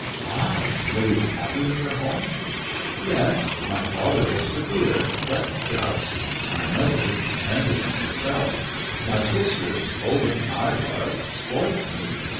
''" Ah I were you happy in your home ?••" Yes. My father was severe, but just My mother, tenderness itself. My sisters, older than I was, spoilt me.